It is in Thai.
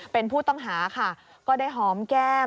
เป็นผู้ต้องหาค่ะก็ได้หอมแก้ม